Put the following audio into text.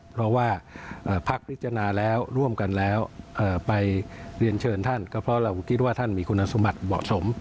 เพราะว่าพักพิจารณาแล้วร่วมกันแล้วไปเรียนเชิญท่านก็เพราะเราคิดว่าท่านมีคุณสมบัติเหมาะสม